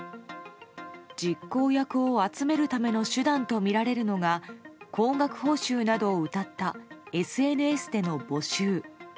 実行役を集めるための手段とみられるのが高額報酬などをうたったＳＮＳでの募集。